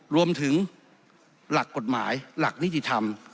รวมถึงหลักกฎหมายหลักนิติธรรม